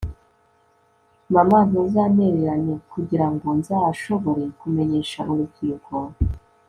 mana, ntuzantererane, kugira ngo nzashobore kumenyesha urubyiruko